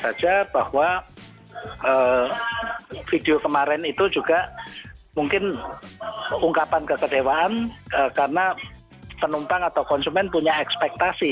tentu saja bahwa video kemarin itu juga mungkin ungkapan kekecewaan karena penumpang atau konsumen punya ekspektasi